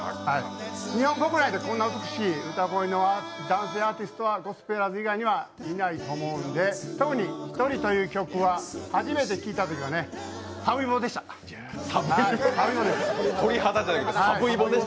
日本国内でこんな美しい歌声のアーティストはゴスペラーズ以外にはいないと思うので、特に「ひとり」という曲は初めて聴いたとき鳥肌じゃなくてサブイボ。